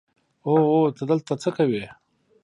او او ته دلته څه کوې.